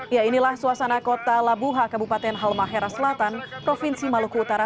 ya inilah suasana kota labuha kabupaten halmahera selatan provinsi maluku utara